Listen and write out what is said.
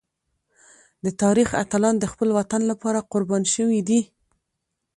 د تاریخ اتلان د خپل وطن لپاره قربان شوي دي.